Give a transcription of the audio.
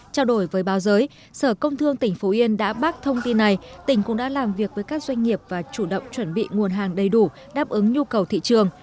trao đổi với báo giới sở công thương tỉnh phú yên đã bác thông tin này tỉnh cũng đã làm việc với các doanh nghiệp và chủ động chuẩn bị nguồn hàng đầy đủ đáp ứng nhu cầu thị trường